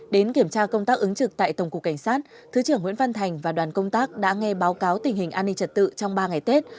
đến kiểm tra công tác ứng trực tại tổng cục cảnh sát thứ trưởng nguyễn văn thành và đoàn công tác đã nghe báo cáo tình hình an ninh trật tự trong ba ngày tết